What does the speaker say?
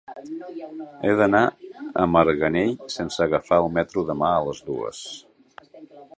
He d'anar a Marganell sense agafar el metro demà a les dues.